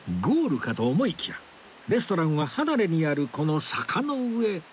ゴールかと思いきやレストランは離れにあるこの坂の上